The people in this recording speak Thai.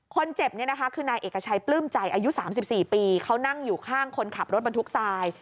คนเจ็บเนี่ยนะคะคือนายเอกชัยปลื้มใจอายุ๓๔ปีเขานั่งอยู่ข้างคนขับรถบรรทุกทราย